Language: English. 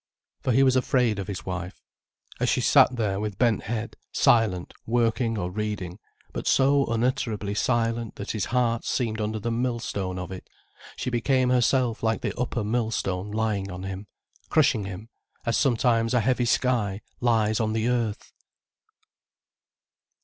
For he was afraid of his wife. As she sat there with bent head, silent, working or reading, but so unutterably silent that his heart seemed under the millstone of it, she became herself like the upper millstone lying on him, crushing him, as sometimes a heavy sky lies on the earth.